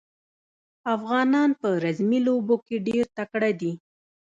افغانان په رزمي لوبو کې ډېر تکړه دي.